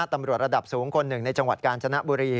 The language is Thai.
ตำรวจระดับสูงคนหนึ่งในจังหวัดกาญจนบุรี